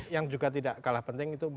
yang juga tidak kalah penting